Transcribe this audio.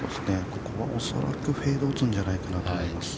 ◆ここは恐らくフェードを打つんじゃないかなと思います。